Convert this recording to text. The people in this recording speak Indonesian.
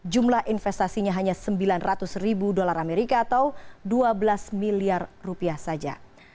jumlah investasinya hanya sembilan ratus ribu dolar amerika atau dua belas miliar rupiah saja